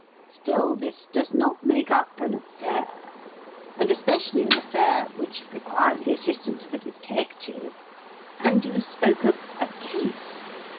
Still, this does not make up an 'affair,' and especially an 'affair' which requires the assistance of a detective, and you spoke of 'a case.'